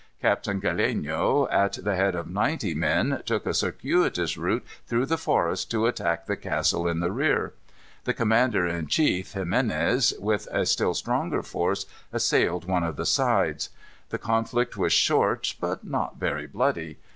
Captain Galeno, at the head of ninety men, took a circuitous route through the forest to attack the castle in the rear. The commander in chief, Ximines, with a still stronger force, assailed one of the sides. The conflict was short, but not very bloody.